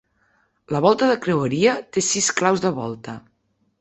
La volta de creueria, té sis claus de volta.